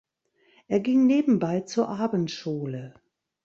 Er ging nebenbei zur Abendschule.